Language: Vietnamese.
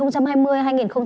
vẫn chưa năm nào hết nóng